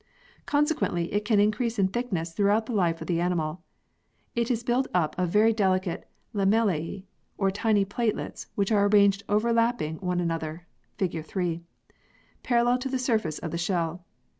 Consequently, it can increase in thickness throughout the life of the animal. It is built up of very delicate lamellae or tiny platelets which are arranged overlapping one another (fig. 3), parallel to the surface of the shell.